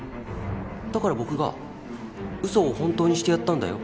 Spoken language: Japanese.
だから僕が嘘を本当にしてやったんだよ。